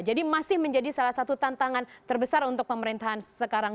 jadi masih menjadi salah satu tantangan terbesar untuk pemerintahan sekarang